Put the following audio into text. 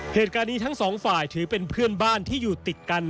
เหตุการณ์นี้ทั้งสองฝ่ายถือเป็นเพื่อนบ้านที่อยู่ติดกัน